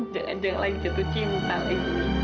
jangan jangan lagi jatuh cinta lagi